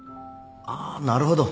あーなるほど。